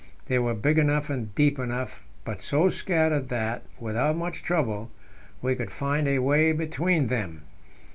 They were big enough and deep enough, but so scattered that, without much trouble, we could find a way between them.